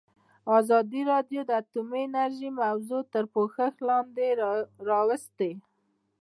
ازادي راډیو د اټومي انرژي موضوع تر پوښښ لاندې راوستې.